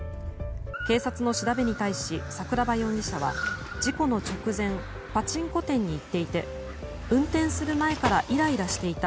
警察の調べに対し、桜庭容疑者は事故の直前パチンコ店に行っていて運転する前からイライラしていた。